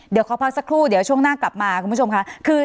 เดี๋ยวขอพักสักครู่เดี๋ยวช่วงหน้ากลับมาคุณผู้ชมค่ะ